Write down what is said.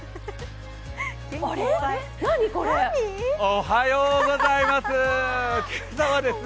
おはようございます。